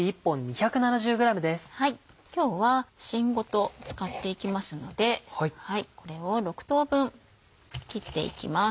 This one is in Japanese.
今日はしんごと使っていきますのでこれを６等分切っていきます。